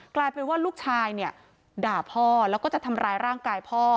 กลายเป็นว่าลูกชายเนี่ยด่าพ่อแล้วก็จะทำร้ายร่างกายพ่อ